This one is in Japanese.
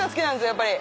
やっぱり。